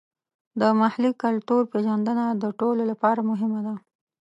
د محلي کلتور پیژندنه د ټولو لپاره مهمه ده.